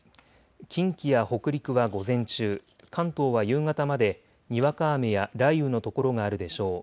近畿や北陸は午前中、関東は夕方までにわか雨や雷雨の所があるでしょう。